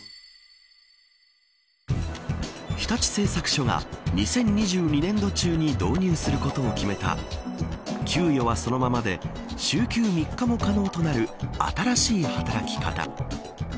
日立製作所が２０２２年度中に導入することを決めた給与はそのままで週休３日も可能となる新しい働き方。